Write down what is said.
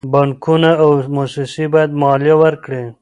بانکونه او موسسې باید مالیه ورکړي.